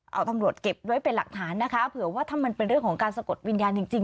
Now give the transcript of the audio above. เอาตำรวจเก็บไว้เป็นหลักฐานนะคะเผื่อว่าถ้ามันเป็นเรื่องของการสะกดวิญญาณจริงจริง